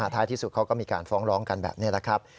ท้ายที่สุดเขาก็มีการฟ้องร้องกันแบบนี้แหละครับ